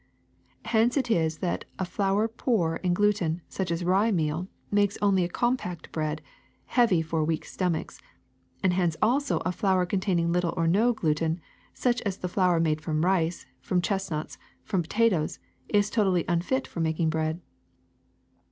Hence it is that a flour poor in gluten, such as rye meal, makes only a compact bread, heavy for weak stomachs ; and hence also a flour containing little or no gluten, such as the flour made from rice, from chestnuts, from potatoes, is totally unfit for making bread.